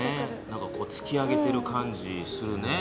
なんかこうつき上げてる感じするね。